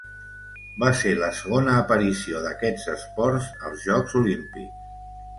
Va ser la segona aparició d'aquest esport als Jocs Olímpics.